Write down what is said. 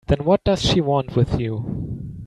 Then what does she want with you?